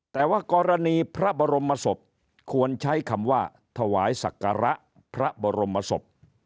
แต่ว่ากรณีพระบรมศพควรใช้คำว่าถวายศักระพระบรมศพ